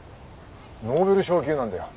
ノーベル賞級なんだよ。